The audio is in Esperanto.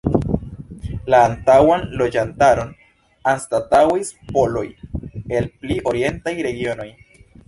La antaŭan loĝantaron anstataŭis poloj el pli orientaj regionoj.